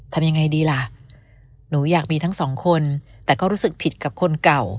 ทำยังไงดีล่ะหนูอยากมีทั้งสองคนแต่ก็รู้สึกผิดกับคนเก่า